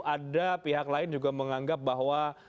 ada pihak lain juga menganggap bahwa